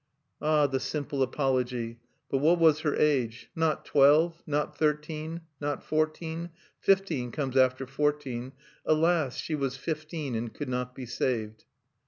Ah! the simple apology!... But what was her age? Not twelve? not thirteen? not fourteen? Fifteen comes after fourteen. Alas! she was fifteen, and could not be saved!